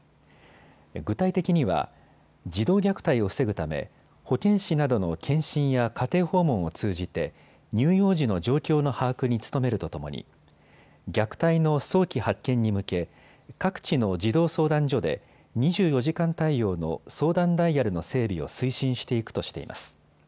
具体的には児童虐待を防ぐため保健師などの健診や家庭訪問を通じて、乳幼児の状況の把握に努めるとともに虐待の早期発見に向け各地の児童相談所で２４時間対応の相談ダイヤルの整備を推進していくとしています。